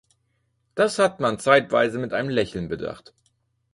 Das hat man zeitweise mit einem Lächeln bedacht.